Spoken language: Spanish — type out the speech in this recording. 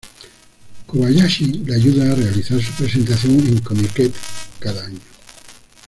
Kobayashi le ayuda a realizar su presentación en Comiket cada año.